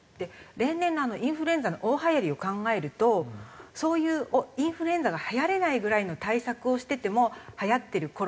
例年のインフルエンザの大はやりを考えるとそういうインフルエンザがはやれないぐらいの対策をしててもはやってるコロナなんですよ。